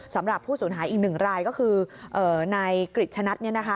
สำหรับผู้สูญหายอีกหนึ่งรายก็คือในกริจชะนัดนะคะ